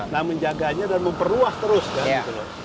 nah menjaganya dan memperluas terus kan gitu loh